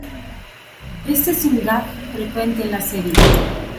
Este es un gag frecuenta en la serie.